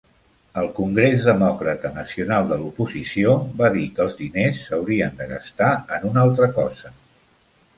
El Congrés Demòcrata Nacional de l'oposició va dir que els diners s'haurien de gastar en una altra cosa.